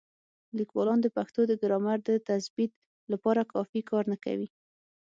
لیکوالان د پښتو د ګرامر د تثبیت لپاره کافي کار نه کوي.